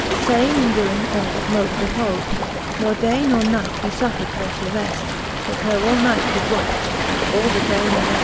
Saying and doing all that mote behove : Ne day nor night he fuffred her to reft, But her all night did watch, and all the day moleft.